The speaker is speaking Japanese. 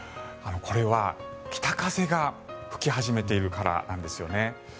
これは北風が吹き始めているからなんですよね。